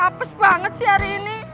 hapes banget sih hari ini